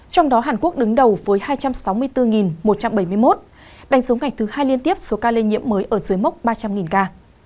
trong đó hàn quốc đứng đầu với hai trăm sáu mươi bốn một trăm bảy mươi một đánh số ngày thứ hai liên tiếp số ca lây nhiễm mới ở dưới mốc ba trăm linh ca